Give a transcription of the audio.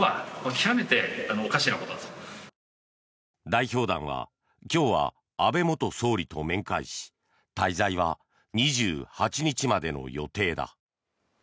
代表団は今日は安倍元総理と面会し滞在は２８日までの予定だ。